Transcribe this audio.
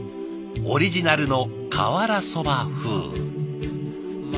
オリジナルの瓦そば風。